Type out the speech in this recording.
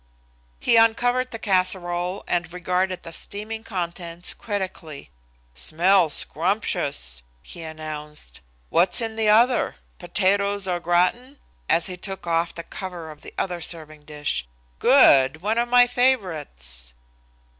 He uncovered the casserole and regarded the steaming contents critically. "Smells scrumptious," he announced. "What's in the other? Potatoes au gratin?" as he took off the cover of the other serving dish. "Good! One of my favorites."